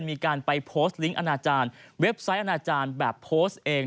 มีการไปโพสต์ลิงก์อนาจารย์เว็บไซต์อนาจารย์แบบโพสต์เอง